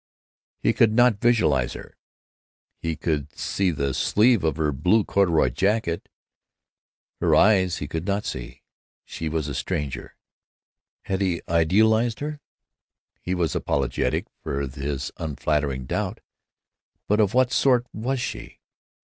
He could not visualize her. He could see the sleeve of her blue corduroy jacket; her eyes he could not see. She was a stranger. Had he idealized her? He was apologetic for his unflattering doubt, but of what sort was she?